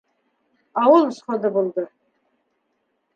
Ауыл сходы булды.